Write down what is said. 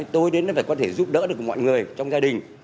tôi đến là phải có thể giúp đỡ được mọi người trong gia đình